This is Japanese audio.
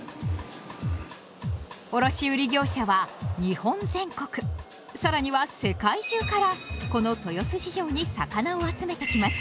卸売業者は日本全国更には世界中からこの豊洲市場に魚を集めてきます。